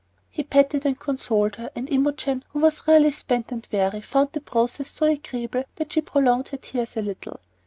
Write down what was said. He petted and consoled her, and Imogen, who was really spent and weary, found the process so agreeable that she prolonged her tears a little.